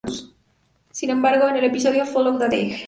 Sin embargo, en el episodio "Follow that egg!